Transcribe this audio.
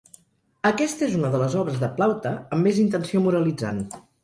Aquesta és una de les obres de Plaute amb més intenció moralitzant.